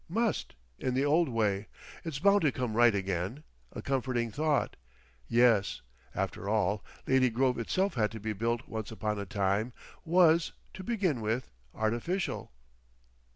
Must. In the old way. It's bound to come right again—a comforting thought. Yes. After all, Lady Grove itself had to be built once upon a time—was—to begin with—artificial."